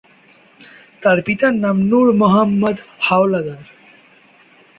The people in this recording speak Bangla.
তার পিতার নাম নুর মোহাম্মাদ হাওলাদার।